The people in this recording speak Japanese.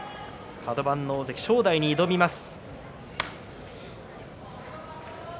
カド番の大関の正代に挑みます。